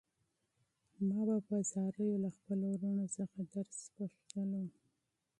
ما به په زاریو له خپلو وروڼو څخه درس پوښتلو.